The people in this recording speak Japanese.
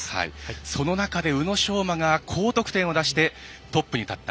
その中で、宇野昌磨が高得点を出してトップになった。